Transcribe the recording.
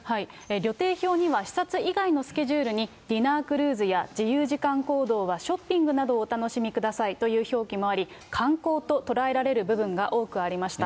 旅程表には視察以外のスケジュールに、ディナークルーズや、自由時間行動はショッピングなどをお楽しみくださいという表記もあり、観光と捉えられる部分が多くありました。